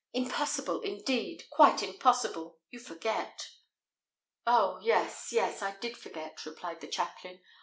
"Impossible, indeed; quite impossible! You forget." "Oh! yes, yes, I did forget," replied the chaplain.